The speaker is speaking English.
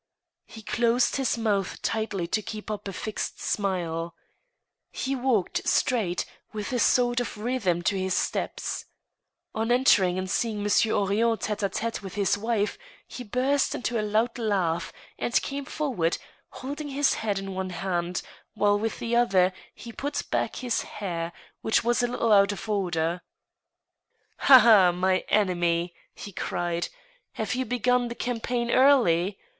He closed his mouth tightly to keep up a fixed smile. He walked straight, with a sort of rhythm to his steps. On entering and seeing Monsieur Henrion tite'^'teU with his wife, he burst into a loud laugh, and came forward, holding his hat in one hand, while with the other he put back his hair, which was a little out of order. " Ha ! ha ! my enemy," he cried ;" have you begun the campaign early